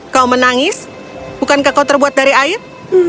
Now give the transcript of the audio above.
kau menangis bukankah kau terbuat dari air